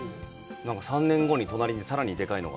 なんか３年後に隣にさらにでかいのが。